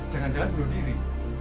jangan jangan bunuh diri